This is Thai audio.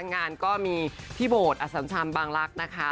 งานก็มีพี่โบสถอสัมชำบางลักษณ์นะคะ